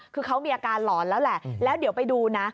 คือเขามีอาการหลอนแล้วแหละแล้วเดี๋ยวไปดูนะ